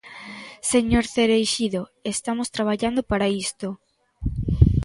Señor Cereixido, estamos traballando para isto.